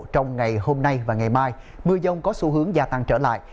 trong ngày hôm nay và ngày mai mưa dông có xu hướng gia tăng trở lại